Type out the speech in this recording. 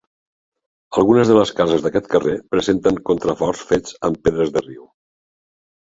Algunes de les cases d'aquest carrer presenten contraforts fets amb pedres de riu.